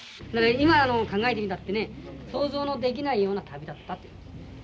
今考えてみたってね想像のできないような旅だったということですね。